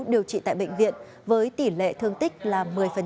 điều trị tại bệnh viện với tỷ lệ thương tích là một mươi